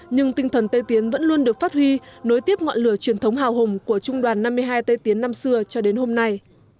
nhưng tinh thần tây tiến vẫn luôn được phát huy nối tiếp ngọn lửa truyền thống hào hùng của trung đoàn năm mươi hai tây tiến năm xưa cho đến hôm nay